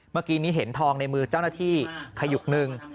เมื่อกี้นี้เห็นทองในมือเจ้าหน้าที่ขยุกหนึ่ง